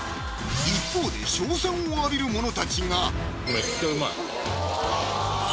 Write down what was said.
一方で称賛を浴びる者たちが！